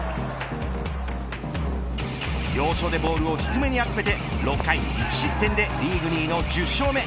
要所でボールを低めに集めて６回１失点でリーグ２位の１０勝目。